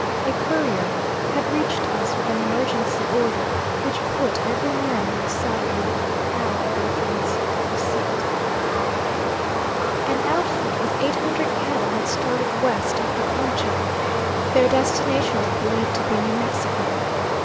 A courier had reached us with an emergency order, which put every man in the saddle within an hour after its receipt. An outfit with eight hundred cattle had started west up the Concho. Their destination was believed to be New Mexico.